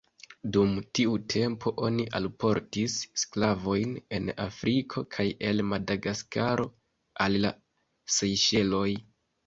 Dum tiu tempo, oni alportis sklavojn el Afriko kaj el Madagaskaro al la Sejŝeloj.